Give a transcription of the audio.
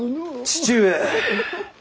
父上。